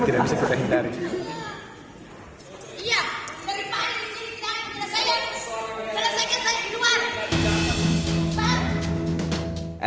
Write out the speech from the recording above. tidak bisa saya hindari keluar